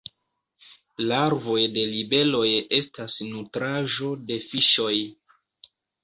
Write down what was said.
Larvoj de libeloj estas nutraĵo de fiŝoj.